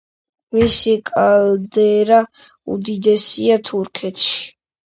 მისი კალდერა უდიდესია თურქეთში.